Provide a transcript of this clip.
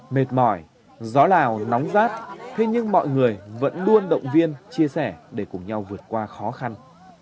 mệt mỏi gió lào nóng rát thế nhưng mọi người vẫn luôn động viên chia sẻ để cùng nhau vượt qua khó khăn